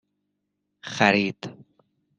خرید